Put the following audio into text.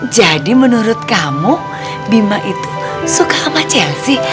jadi menurut kamu bima itu suka sama chelsea